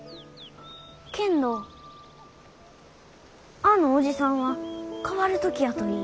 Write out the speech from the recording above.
けんどあのおじさんは変わる時やと言いゆう。